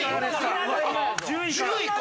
１０位か！